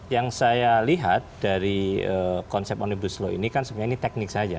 yang saya lihat dari konsep omnibus law ini kan sebenarnya ini teknik saja